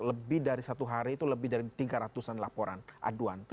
lebih dari satu hari itu lebih dari tiga ratus an laporan aduan